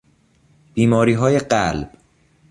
بیماریهای قلب